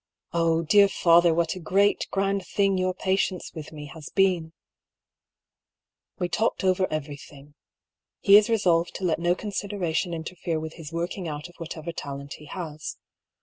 Oh, dear fa ther, what a great, grand thing your patience with me has been ! We have talked over everything. He is resolved to let no consideration interfere with his working out of whatever talent he has.